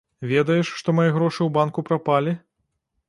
Ведаеш, што мае грошы ў банку прапалі?